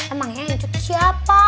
emangnya incut siapa